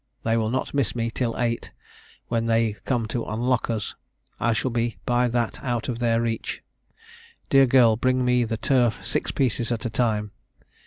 They will not miss me till eight, when they come to unlock us. I shall be by that out of their reach. Dear girl, bring me the turf six pieces at a time.